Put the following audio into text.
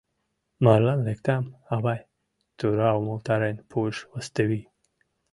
Марлан лектам, авай, — тура умылтарен пуыш Лыстывий.